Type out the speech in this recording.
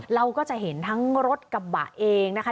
เราก็จะเห็นทั้งรถกระบะเองนะคะ